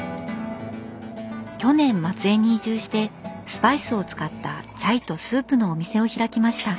去年松江に移住してスパイスを使ったチャイとスープのお店を開きました。